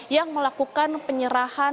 yang melakukan penyerahan